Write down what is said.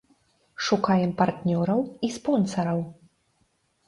Шукаем партнёраў і спонсараў.